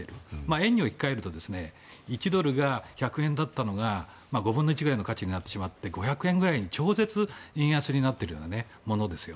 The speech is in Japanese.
円に置き換えると１ドルが１００円だったのが５分の１ぐらいの価値になって５００円ぐらいの超絶円安になっているようなものです。